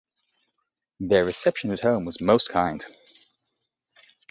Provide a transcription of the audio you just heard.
Their reception at home was most kind.